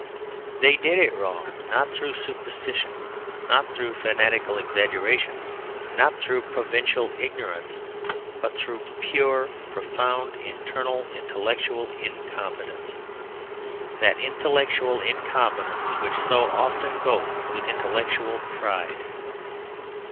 They did it wrong, not through superstition, not through fanatical exaggeration, not through provincial ignorance, but through pure, profound, internal, intellectual incompetence; that intellectual incompetence which so often goes with intellectual pride.